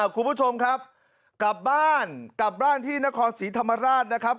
คุณผู้ชมครับกลับบ้านกลับบ้านที่นครศรีธรรมราชนะครับ